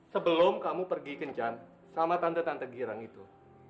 sebelum kamu pergi kenjam sama tante tante girang itu